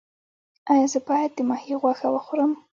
ایا زه باید د ماهي غوښه وخورم؟